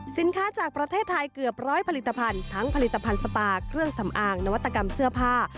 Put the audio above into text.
สินค้าจากประเทศไทยเกือบร้อยผลิตภัณฑ์ทั้งผลิตภัณฑ์สปาเครื่องสำอางนวัตกรรมเสื้อผ้า